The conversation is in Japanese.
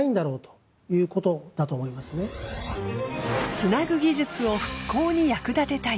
つなぐ技術を復興に役立てたい。